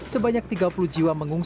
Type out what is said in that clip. sebanyak tiga puluh jiwa mengungsi